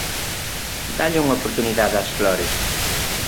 Dálle unha oportunidade ás flores.